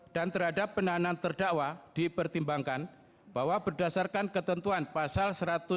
dan terhadap penahanan terdakwa dipertimbangkan bahwa berdasarkan ketentuan pasal satu ratus sembilan puluh